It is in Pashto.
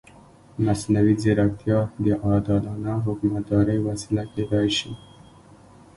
مصنوعي ځیرکتیا د عادلانه حکومتدارۍ وسیله کېدای شي.